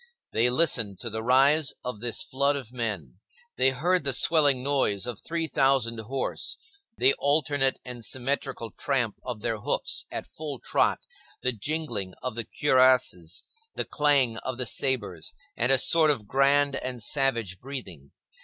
They listened to the rise of this flood of men. They heard the swelling noise of three thousand horse, the alternate and symmetrical tramp of their hoofs at full trot, the jingling of the cuirasses, the clang of the sabres and a sort of grand and savage breathing.